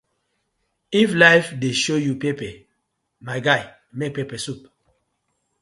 If life dey show you pepper, my guy make pepper soup.